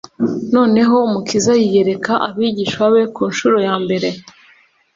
Noneho Umukiza yiyereka abigishwa be ku nshuro ya mbere;